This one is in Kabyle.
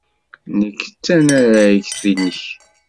Nekk d tanaragt-nnek.